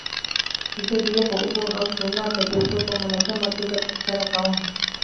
زه د یخو اوبو او سونا تجربه په منظمه توګه ترسره کوم.